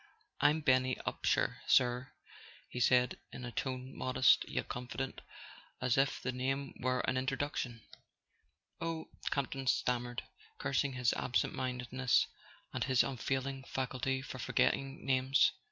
"I'm Benny Upsher, sir," he said, in a tone modest yet confident, as if the name were an introduction. "Oh " Campton stammered, cursing his absent mindedness and his unfailing faculty for forgetting names.